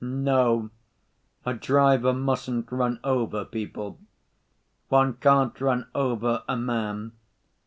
No, a driver mustn't run over people. One can't run over a man.